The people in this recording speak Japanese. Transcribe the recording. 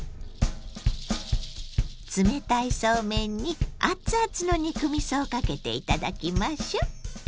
冷たいそうめんに熱々の肉みそをかけて頂きましょう。